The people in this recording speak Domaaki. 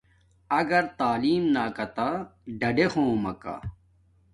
اگر تعلیم ناکاتا ڈاڈے ہومکہ